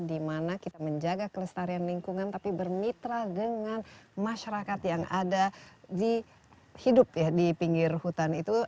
dimana kita menjaga kelestarian lingkungan tapi bermitra dengan masyarakat yang ada di hidup ya di pinggir hutan itu